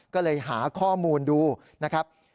ก็เลยหาข้อมูลดูนะครับ